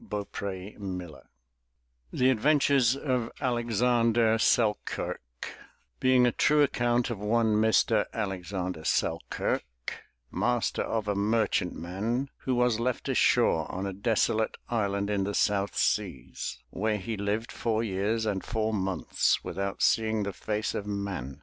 cMAiie. 327 MY BOOK HOUSE THE ADVENTURES OF ALEXANDER SELKIRK r(5=^k=5': Being a true Account of one Mr, Alexander Selkirk, Master of a Merchant Man who was left ashore on a desolate Island in the South Seas, where he lived Four Years and Four Months without seeing the Face of Man.